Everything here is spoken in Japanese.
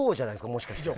もしかして。